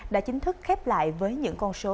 đã chính thức khép lại với những con số